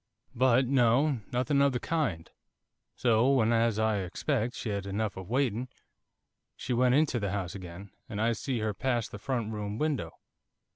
But no, nothing of the kind. So when, as I expect, she'd had enough of waiting, she went into the house again, and I see her pass the front room window.